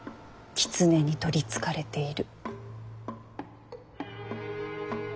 狐に取りつかれている。